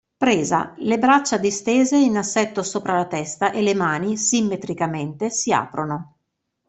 Presa: le braccia distese in assetto sopra la testa e le mani, simmetricamente, si aprono.